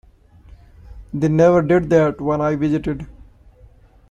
They never did that when I visited.